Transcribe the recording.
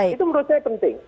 itu menurut saya penting